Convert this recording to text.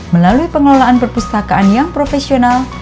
melalui pengelolaan perpustakaan yang profesional